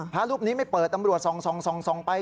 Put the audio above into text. พระรูปนี้ไม่เปิดตำรวจส่องไป